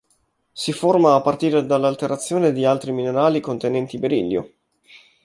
Si forma a partire dall'alterazione di altri minerali contenenti berillio.